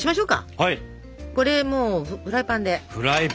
これもうフライパンで。